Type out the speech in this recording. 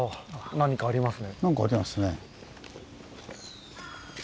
何かありますね。